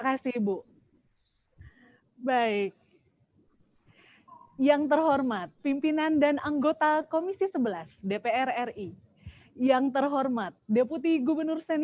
kasih bu baik yang terhormat pimpinan dan anggota komisi sebelas dpr ri yang terhormat deputi gubernur sen